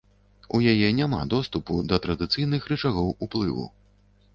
У яе няма доступу да традыцыйных рычагоў уплыву.